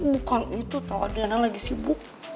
bukan itu tau adriana lagi sibuk